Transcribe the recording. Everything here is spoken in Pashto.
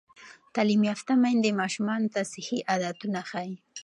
تعلیم یافته میندې ماشومانو ته صحي عادتونه ښيي.